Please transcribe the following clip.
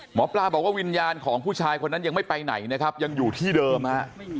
หมอปลาบอกว่าวิญญาณของผู้ชายคนนั้นยังไม่ไปไหนนะครับยังอยู่ที่เดิมฮะ